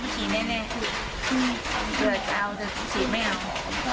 ไม่ฉีดยังไม่ฉีดแน่